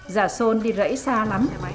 già sôn đi rẫy xa lắm